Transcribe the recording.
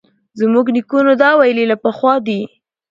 زموږ نیکونو دا ویلي له پخوا دي